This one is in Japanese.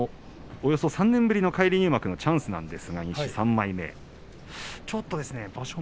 およそ３年ぶりの返り入幕のチャンスなんですが、西の３枚目ちょっと場所